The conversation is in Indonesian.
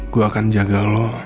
gue akan jaga lo